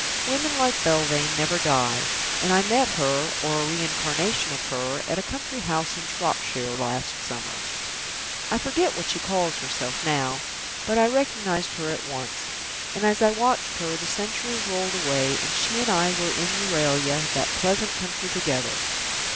Women like Belvane never die, and I met her (or a reincarnation of her) at a country house in Shropshire last summer. I forget what she calls herself now, but I recognised her at once; and, as I watched her, the centuries rolled away and she and I were in Euralia, that pleasant country, together.